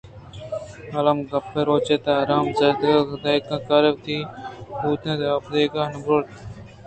الّم کپے روچے تہ ءِ حَرام زَادگ دہقان کارے ءَوتی کائیگر ننگار ءَ بوٛتک اَنت ءُآپ ءِ دئیگ ءَ بُرت اَنت